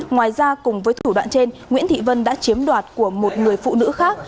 ngoài ra cùng với thủ đoạn trên nguyễn thị vân đã chiếm đoạt của một người phụ nữ khác